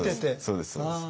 そうですそうです。